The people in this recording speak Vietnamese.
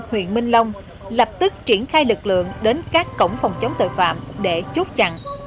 huyện minh long lập tức triển khai lực lượng đến các cổng phòng chống tội phạm để chốt chặn